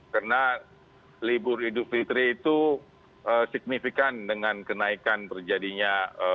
karena libur hidup fitri itu signifikan dengan kenaikan berjadinya